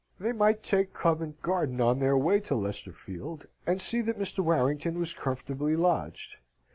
They might take Covent Garden on their way to Leicester Field, and see that Mr. Warrington was comfortably lodged.